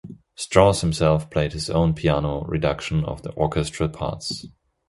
Strauss himself played his own piano reduction of the orchestral parts.